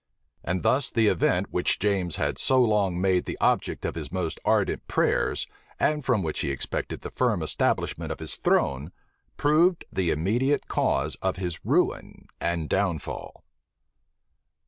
And thus the event which James had so long made the object of his most ardent prayers, and from which he expected the firm establishment of his throne, proved the immediate cause of his ruin and downfall.